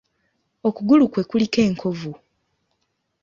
Okugulu kwe kuliko enkovu.